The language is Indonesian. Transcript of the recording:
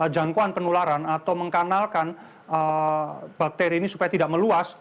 jangkauan penularan atau mengkanalkan bakteri ini supaya tidak meluas